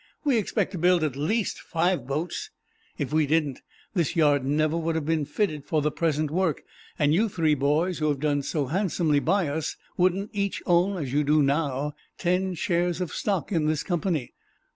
"We expect to build at least five boats. If we didn't, this yard never would have been fitted for the present work, and you three boys, who've done so handsomely by us, wouldn't each own, as you now do, ten shares of stock in this company.